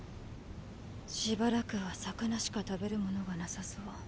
しばらくは魚しか食べる物がなさそう。